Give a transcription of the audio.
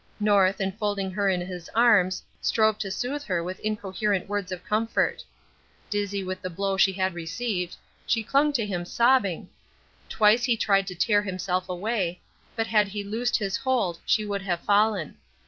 North, enfolding her in his arms, strove to soothe her with incoherent words of comfort. Dizzy with the blow she had received, she clung to him sobbing. Twice he tried to tear himself away, but had he loosed his hold she would have fallen.